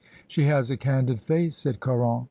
"She has a candid face," said Caron.